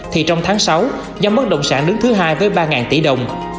thì trong tháng sáu doanh nghiệp bất động sản đứng thứ hai với ba tỷ đồng